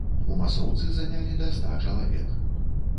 У масоўцы занялі да ста чалавек.